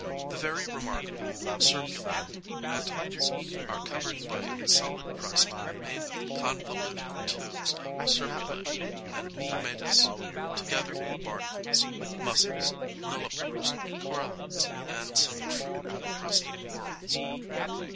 The very remarkable "serpuline atolls" are covered by a solid crust made of the convoluted tubes of serpulae and Vermetus, together with barnacles, mussels, nullipores, corallines and some true incrusting corals.